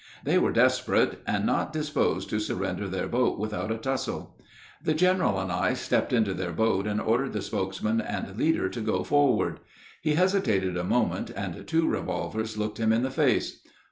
They were desperate, and not disposed to surrender their boat without a tussle. The general and I stepped into their boat, and ordered the spokesman and leader to go forward. He hesitated a moment, and two revolvers looked him in the face.